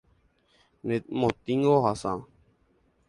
Ñemotĩngo ohasa.